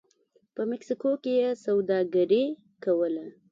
په مکسیکو کې یې سوداګري کوله